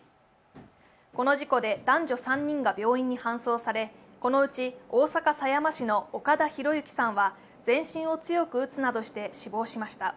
この事故で男女３人が病院に搬送されこのうち大阪府狭山市の岡田博行さんは全身を強く打つなどして死亡しました。